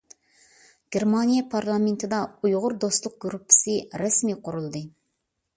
گېرمانىيە پارلامېنتىدا «ئۇيغۇر دوستلۇق گۇرۇپپىسى» رەسمىي قۇرۇلدى.